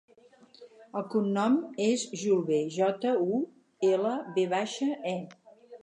El cognom és Julve: jota, u, ela, ve baixa, e.